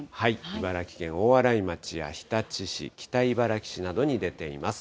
茨城県大洗町や日立市、北茨城市などに出ています。